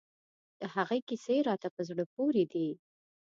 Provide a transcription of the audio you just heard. د هغه کیسې راته په زړه پورې دي.